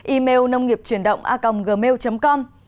email nông nghiệp truyền động a gmail com